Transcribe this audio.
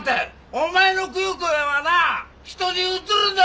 お前のクヨクヨはな人にうつるんだ！